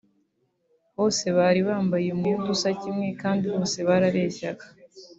bose bari bambaye umwenda usa kimwe kandi bose barareshyaga